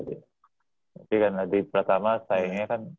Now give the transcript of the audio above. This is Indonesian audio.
tapi kan adipratama sayangnya kan